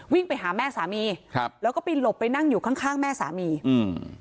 วิ่งไปหาแม่สามีครับแล้วก็ไปหลบไปนั่งอยู่ข้างข้างแม่สามีอืม